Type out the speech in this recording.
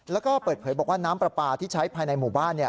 แล้วก็เปิดเผยบอกว่าน้ำปลาปลาที่ใช้ภายในหมู่บ้าน